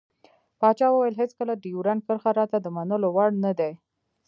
پاچا وويل هېڅکله ډيورند کرښه راته د منلو وړ نه دى.